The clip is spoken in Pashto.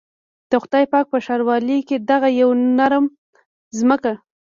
د خدای پاک په ښاروالۍ کې دغه يوه نومره ځمکه.